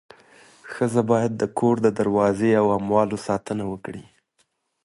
ښځه باید د کور د دروازې او اموالو ساتنه وکړي.